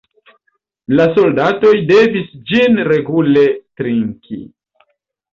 La soldatoj devis ĝin regule trinki.